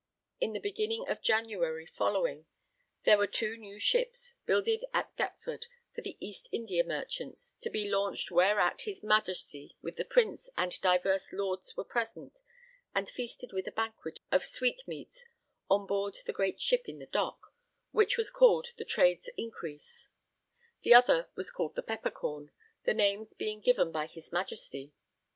In the beginning of January following, there were two new ships, builded at Deptford for the East India Merchants, to be launched; whereat his Majesty with the Prince and divers lords were present, and feasted with a banquet of sweetmeats on board the great ship in the dock, which was called the Trade's Increase; the other was called the Peppercorn, the names being given by his Majesty.